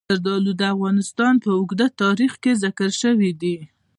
زردالو د افغانستان په اوږده تاریخ کې ذکر شوی دی.